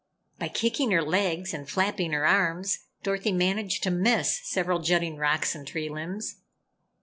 By kicking her legs and flapping her arms, Dorothy managed to miss several jutting rocks and tree limbs.